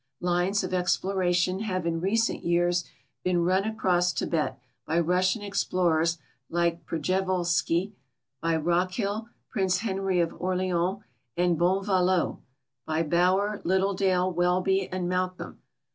Lines of exploration have in recent years been run across Tibet by Russian ex])lorers like Prjevalsky, l)y Rockhill, Prince Henry of Orleans, and Bonvalot, by Bower, Lit tledale, Wellby, and Malcolm.